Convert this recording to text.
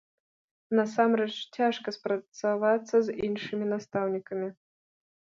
Насамрэч, цяжка спрацавацца з іншымі настаўнікамі.